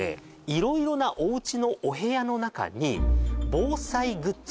色々なおうちのお部屋の中に防災グッズ